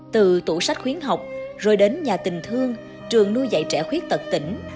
từ tủ sách khuyến học rồi đến nhà tình thương trường nuôi dạy trẻ khuyết tật tỉnh